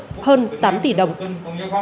hãy đăng ký kênh để ủng hộ kênh của mình nhé